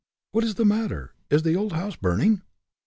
"What is the matter? Is the old house burning?"